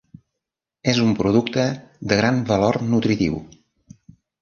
És un producte de gran valor nutritiu.